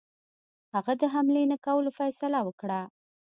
هغه د حملې نه کولو فیصله وکړه.